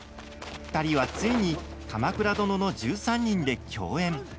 ２人はついに「鎌倉殿の１３人」で共演。